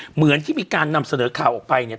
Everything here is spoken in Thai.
เหมือนที่มีการนำเสนอข่าวออกไปเนี่ย